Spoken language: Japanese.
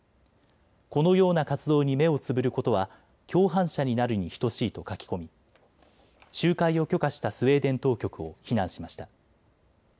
このような活動に目をつぶることは共犯者になるに等しいと書き込み集会を許可したスウェーデン当局を非難しました。